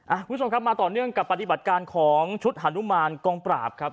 คุณผู้ชมครับมาต่อเนื่องกับปฏิบัติการของชุดฮานุมานกองปราบครับ